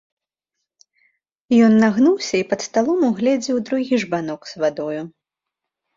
Ён нагнуўся і пад сталом угледзеў другі жбанок з вадою.